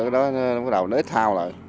nó bắt đầu nó ít thao lại